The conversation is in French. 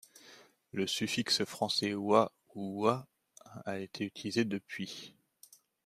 Le suffixe français -ois ou -oit a été utilisé depuis.